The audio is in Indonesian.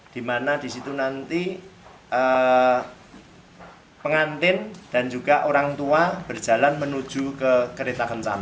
di mana di situ nanti pengantin dan juga orang tua berjalan menuju ke kereta kencam